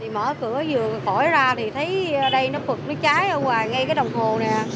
mở cửa vừa khỏi ra thì thấy đây nó phật nó cháy ở ngoài ngay cái đồng hồ nè